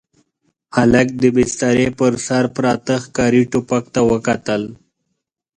هلک د بسترې پر سر پراته ښکاري ټوپک ته وکتل.